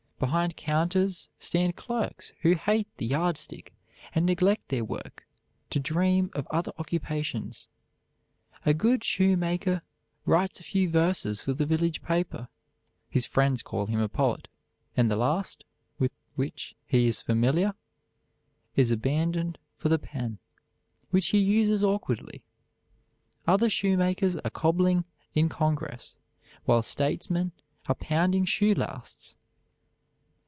Behind counters stand clerks who hate the yard stick and neglect their work to dream of other occupations. A good shoemaker writes a few verses for the village paper, his friends call him a poet, and the last, with which he is familiar, is abandoned for the pen, which he uses awkwardly. Other shoemakers are cobbling in Congress, while statesmen are pounding shoe lasts.